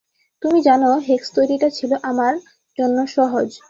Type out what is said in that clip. তুমি জানো, হেক্স তৈরিটা ছিল আমার জন্য সহজ।